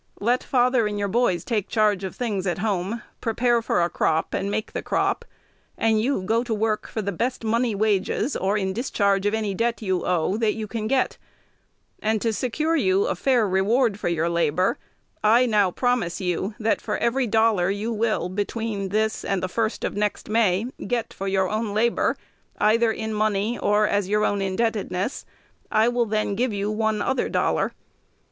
Let father and your boys take charge of things at home, prepare for a crop, and make the crop, and you go to work for the best money wages, or in discharge of any debt you owe, that you can get; and, to secure you a fair reward for your labor, I now promise you, that, for every dollar you will, between this and the first of next May, get for your own labor, either in money or as your own indebtedness, I will then give you one other dollar.